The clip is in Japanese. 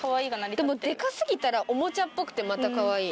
でもデカ過ぎたらおもちゃっぽくてまたカワイイ。